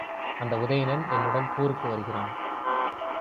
அந்த உதயணன் என்னுடன் போருக்கு வருகிறான்.